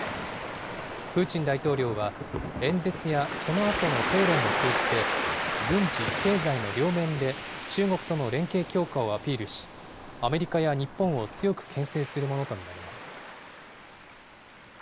プーチン大統領は、演説やそのあとの討論を通じて、軍事・経済の両面で、中国との連携強化をアピールし、アメリカや日本を強くけん制するものと見られます。